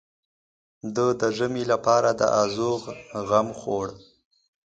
ده د ژمي لپاره د ازوغ غم خوړ.